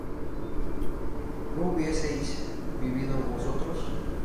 ¿no hubieseis vivido vosotras?